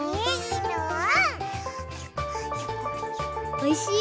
おいしい？